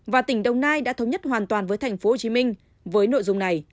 và tỉnh đồng nai đã thống nhất hoàn toàn với tp hcm với nội dung này